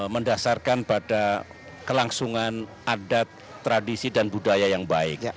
mendasarkan pada kelangsungan adat tradisi dan budaya yang baik